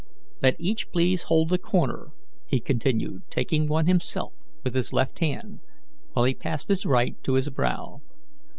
Let each please hold a corner," he continued, taking one himself with his left hand, while he passed his right to his brow.